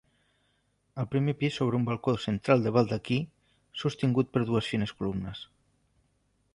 Al primer pis s'obre un balcó central de baldaquí sostingut per dues fines columnes.